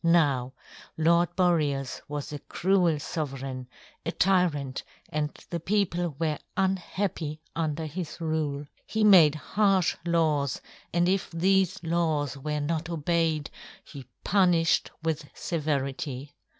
Now Lord Boreas was a cruel sovereign, a tyrant, and the people were unhappy under his rule. He made harsh laws, and if these laws were not obeyed, he punished with severity.